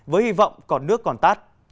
với hy vọng còn nước còn tát